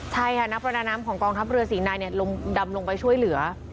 ใช่ค่ะนักประดาน้ำของกองทัพเรือ๔นายดำลงไปช่วยเหลือ